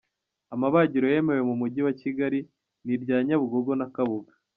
Amabagiro yemewe mu Mujyi wa Kigali, ni irya Nyabugogo na Kabuga.